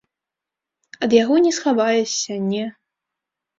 Ад яго не схаваешся, не!